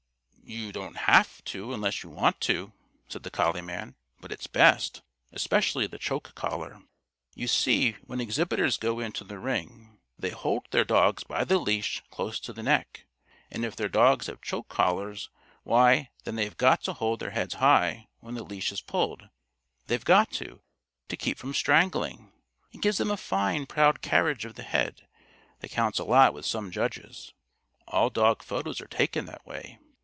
"You don't have to unless you want to," said the collie man, "but it's best especially, the choke collar. You see, when exhibitors go into the ring, they hold their dogs by the leash close to the neck. And if their dogs have choke collars, why, then they've got to hold their heads high when the leash is pulled. They've got to, to keep from strangling. It gives them a fine, proud carriage of the head, that counts a lot with some judges. All dog photos are taken that way.